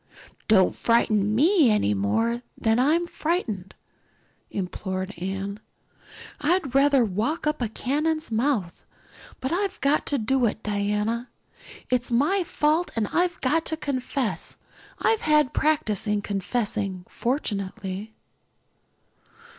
"Don't frighten me any more than I am frightened," implored Anne. "I'd rather walk up to a cannon's mouth. But I've got to do it, Diana. It was my fault and I've got to confess. I've had practice in confessing, fortunately."